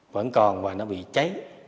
vẫn còn và nó bị cháy